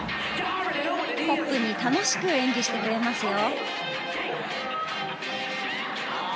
ポップに楽しく演技をしてくれますよ。